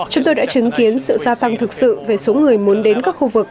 chúng tôi đã chứng kiến sự gia tăng thực sự về số người muốn đến các khu vực